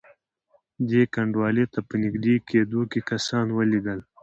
دې کنډوالې ته په نږدې کېدلو کسان ولیدل.